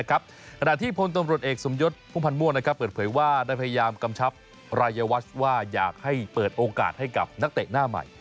ขณะที่พลตำรวจเอกสมยศพุ่มพันธ์ม่วงเปิดเผยว่าได้พยายามกำชับรายวัชว่าอยากให้เปิดโอกาสให้กับนักเตะหน้าใหม่